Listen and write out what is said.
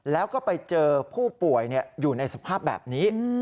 แล้วก็ไปเจอผู้ป่วยอยู่ในสภาพแบบนี้